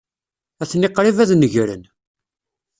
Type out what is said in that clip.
Atni qrib ad negren.